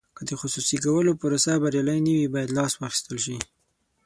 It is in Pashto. که د خصوصي کولو پروسه بریالۍ نه وي باید لاس واخیستل شي.